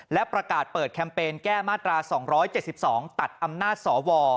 และประกาศเปิดแคมเปญแก้มาตรา๒๗๒ตัดอำนาจสว